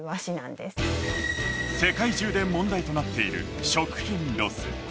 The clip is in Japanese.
世界中で問題となっている食品ロス。